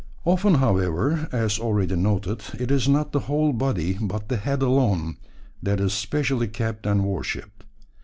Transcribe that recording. Often, however, as already noted, it is not the whole body, but the head alone, that is specially kept and worshipped.